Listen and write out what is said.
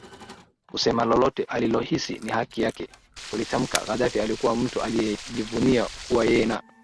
kusema lolote alilohisi ni haki yake kulitamka Gaddafi alikuwa mtu aliyejivunia kuwa yeye na